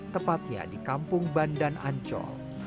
tepatnya di kampung bandan ancol